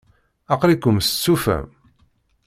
Aql-iken testufam?